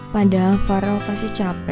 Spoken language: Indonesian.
padahal faro pasti capek